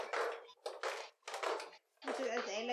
Mwenyewe Tetere alikuwa ghorofa ya nne